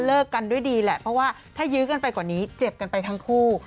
กันด้วยดีแหละเพราะว่าถ้ายื้อกันไปกว่านี้เจ็บกันไปทั้งคู่